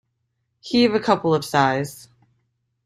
Heave a couple of sighs.